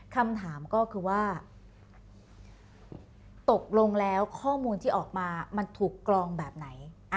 คำถามก็คือว่าตกลงแล้วข้อมูลที่ออกมามันถูกกรองแบบไหน